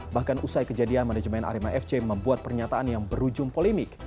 bahkan usai kejadian manajemen arema fc membuat pernyataan yang berujung polemik